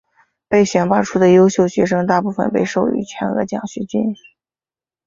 被选拔出的优秀学生大部分被授予全额奖学金。